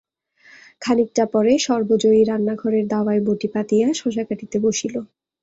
খানিকটা পরে সর্বজয়ী রান্নাঘরের দাওয়ায় বঁটি পাতিয়া শসা কাটিতে বসিল।